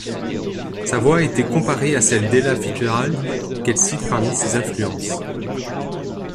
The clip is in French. Sa voix a été comparée à celle d'Ella Fitzgerald, qu'elle cite parmi ses influences.